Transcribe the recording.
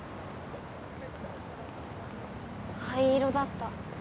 灰色だった。